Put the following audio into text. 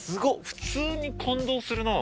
普通に感動するなあ！